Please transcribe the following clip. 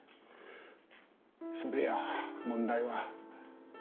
それや問題は。